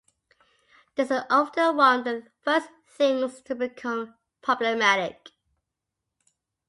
This is often one of the first things to become problematic.